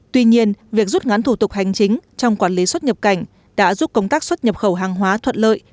tuy nhiên việc rút ngắn thủ tục hành chính trong quản lý xuất nhập cảnh đã giúp công tác xuất nhập khẩu hàng hóa thuận lợi